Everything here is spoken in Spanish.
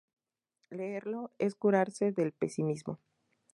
Leerlo es curarse del pesimismo.